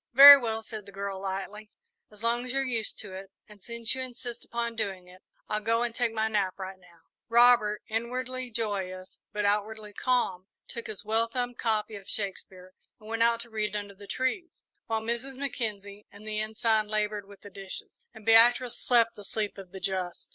"Very well," said the girl, lightly; "as long as you're used to it, and since you insist upon doing it, I'll go and take my nap right now." Robert, inwardly joyous, but outwardly calm, took his well thumbed copy of Shakespeare and went out to read under the trees, while Mrs. Mackenzie and the Ensign laboured with the dishes, and Beatrice slept the sleep of the just.